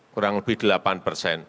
kurang lebih delapan persen